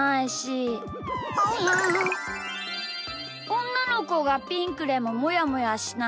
おんなのこがピンクでももやもやしない。